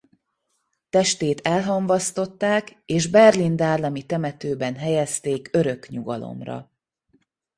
Testét elhamvasztották és berlin-dahlemi temetőben helyezték örök nyugalomra.